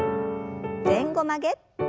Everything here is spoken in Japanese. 前後曲げ。